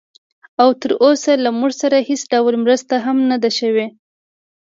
او تراوسه له موږ سره هېڅ ډول مرسته هم نه ده شوې